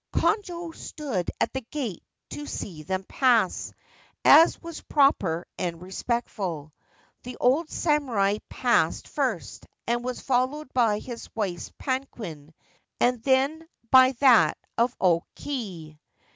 Konojo stood at the gate to see them pass, as was proper and respectful. The old samurai passed first, and was followed by his wife's palanquin, and then by that of O Kei.